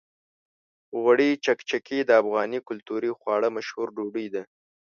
غوړي چکچکي د افغاني کلتوري خواړو مشهوره ډوډۍ ده.